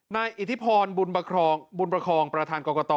อิทธิพรบุญประคองประธานกรกต